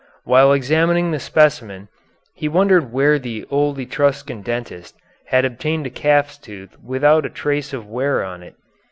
While examining the specimen he wondered where the old Etruscan dentist had obtained a calf's tooth without a trace of wear on it.